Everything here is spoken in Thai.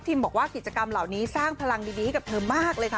บอกว่ากิจกรรมเหล่านี้สร้างพลังดีให้กับเธอมากเลยค่ะ